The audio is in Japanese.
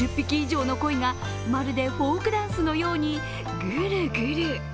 ３０匹以上の鯉がまるでフォークダンスのようにグルグル。